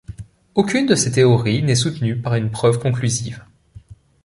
Aucune de ces théories n'est soutenue par une preuve conclusive.